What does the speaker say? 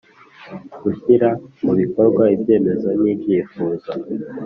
Gushyira mu bikorwa ibyemezo n ibyifuzo